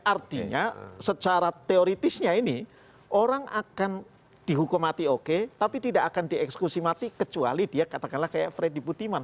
artinya secara teoritisnya ini orang akan dihukum mati oke tapi tidak akan dieksekusi mati kecuali dia katakanlah kayak freddy budiman